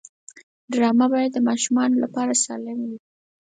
ډرامه باید د ماشومانو لپاره سالم وي